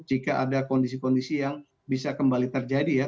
jika ada kondisi kondisi yang bisa kembali terjadi ya